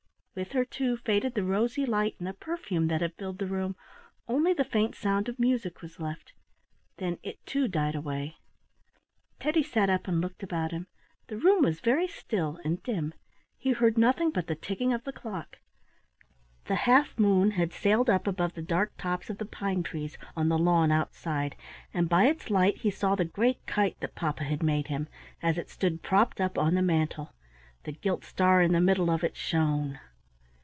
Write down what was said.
With her too, faded the rosy light and the perfume that had filled the room; only the faint sound of music was left. Then it too died away. Teddy sat up and looked about him. The room was very still and dim. He heard nothing but the ticking of the clock. The half moon had sailed up above the dark tops of the pine trees on the lawn outside, and by its light he saw the great kite that papa had made him, as it stood propped up on the mantle. The gilt star in the middle of it shone.